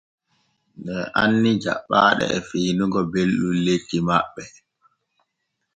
Ɓe anni jaɓɓaaɗe e fiinugo belɗum lekki maɓɓe.